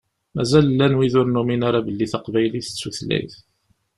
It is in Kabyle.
Mazal llan wid ur numin ara belli taqbaylit d tutlayt.